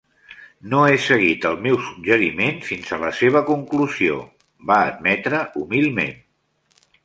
"No he seguit el meu suggeriment fins a la seva conclusió", va admetre humilment.